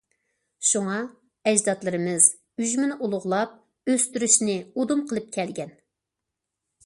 شۇڭا، ئەجدادلىرىمىز ئۈجمىنى ئۇلۇغلاپ ئۆستۈرۈشنى ئۇدۇم قىلىپ كەلگەن.